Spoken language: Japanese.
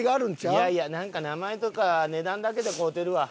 いやいやなんか名前とか値段だけで買うてるわ。